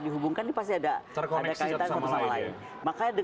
dihubungkan pasti ada kaitan sama lain